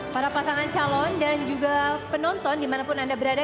para pasangan calon dan juga penonton dimanapun anda berada